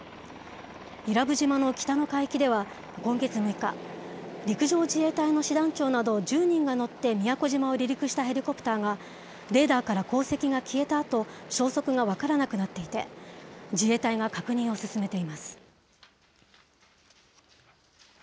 伊良部島の北の海域では、今月６日、陸上自衛隊の師団長など１０人が乗って宮古島を離陸したヘリコプターがレーダーから航跡が消えたあと、消息が分からなくなっていて、自衛隊が確認を進めています。